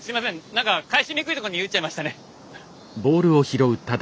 何か返しにくいとこに打っちゃいましたね。